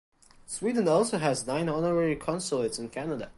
Sweden also has nine honorary consulates in Canada.